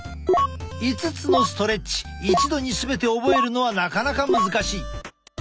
５つのストレッチ一度に全て覚えるのはなかなか難しい。